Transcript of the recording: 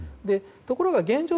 ところが現状